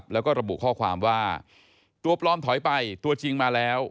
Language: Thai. แล้วก็ระบุข้อความว่าตัวปลอมถอยไปตัวจริงมาแล้ว